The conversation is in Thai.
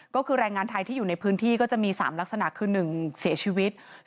ก็คือแรงงานไทยที่อยู่ในพื้นที่ก็จะมี๓ลักษณะคือ๑เสียชีวิต